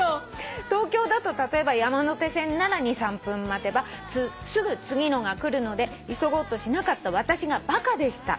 「東京だと例えば山手線なら２３分待てばすぐ次のが来るので急ごうとしなかった私がバカでした。